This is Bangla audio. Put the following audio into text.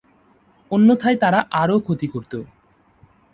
অন্যথায় তারা আরও ক্ষতি করত।